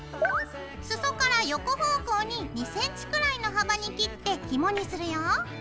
裾から横方向に２ｃｍくらいの幅に切ってひもにするよ。